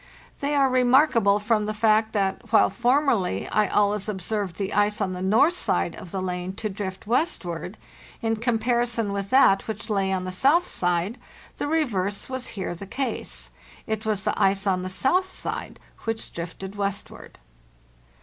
They are remark able from the fact that, while formerly I always observed the ice on the north side of the lane to drift westward, in comparison with that which lay on the south side, the reverse was here the case. It was the ice on the south side which drifted westward.